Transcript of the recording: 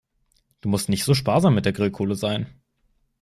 Du musst nicht so sparsam mit der Grillkohle sein.